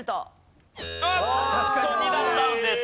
あっと２段ダウンです。